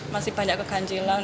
masih banyak keganjilan